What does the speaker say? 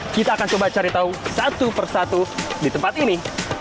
kita akan coba cari tahu satu persatu di tempat ini